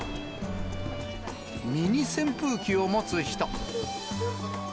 ミニ扇風機を持つ人。